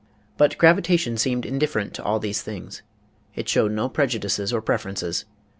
But gravitation seemed indifferent to all these things; it showed no prejudices or preferences.